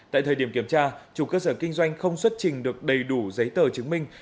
tại thời điểm kiểm tra chủ cơ sở kinh doanh không xuất trình được đầy đủ giấy tờ chứng minh